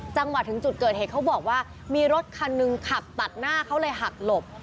จังหวะถึงจุดเกิดเหตุเขาบอกว่ามีรถคันหนึ่งขับตัดหน้าเขาเลยหักหลบ